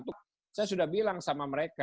untuk saya sudah bilang sama mereka